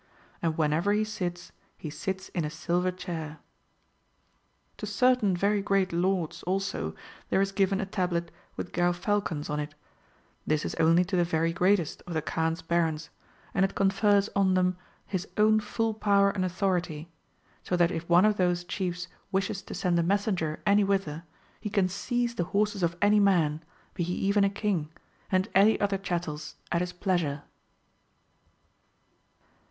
And whenever he sits, he sits in a silver chair.^ To certain very great lords also there is given a tablet with gerfalcons on it ; this is only to the very greatest of the Kaan's barons, and it confers on them his own full power and authority ; so that if one of those chiefs wishes to send a messenger any whither, he can seize the horses of any man, be he even a king, and any other chattels at his pleasure.